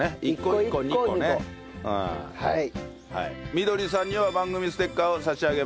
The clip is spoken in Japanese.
みどりさんには番組ステッカーを差し上げます。